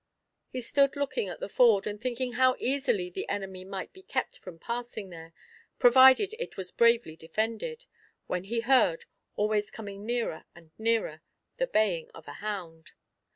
He stood looking at the ford, and thinking how easily the enemy might be kept from passing there, provided it was bravely defended, when he heard, always coming nearer and nearer, the baying of a hound.